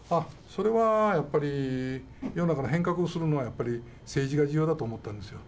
それはやっぱり、世の中の変革をするのは、やっぱり政治が重要だと思ったんですよ。